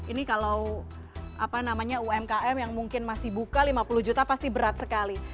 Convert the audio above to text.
ini kalau umkm yang mungkin masih buka lima puluh juta pasti berat sekali